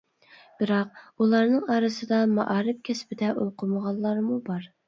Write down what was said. بىراق، ئۇلارنىڭ ئارىسىدا مائارىپ كەسپىدە ئوقۇمىغانلارمۇ بار.